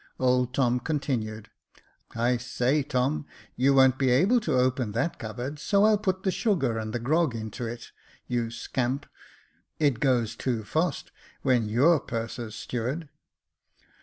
Old Tom continued :" I say, Tom, you won't be able to open that cupboard, so I'll put the sugar and the grog into it, you scamp. It goes too fast, when you're purser's steward.